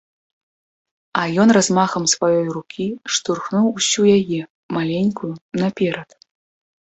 А ён размахам сваёй рукі штурхнуў усю яе, маленькую, наперад.